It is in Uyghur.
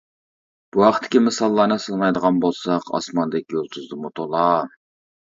بۇ ھەقتىكى مىساللارنى سانايدىغان بولساق ئاسماندىكى يۇلتۇزدىنمۇ تولا!